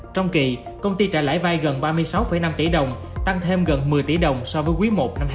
trong kỳ công ty trả lãi vai gần ba mươi sáu năm tỷ đồng tăng thêm gần một mươi tỷ đồng so với quý i năm hai nghìn hai mươi ba